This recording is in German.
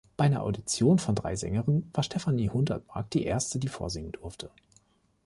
Bei einer Audition von drei Sängerinnen war Stephanie Hundertmark die erste, die vorsingen durfte.